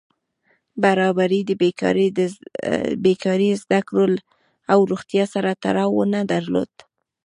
برابري د بېکاري، زده کړو او روغتیا سره تړاو نه درلود.